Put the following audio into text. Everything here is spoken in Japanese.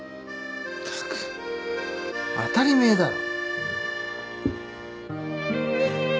ったく当たり前だろ。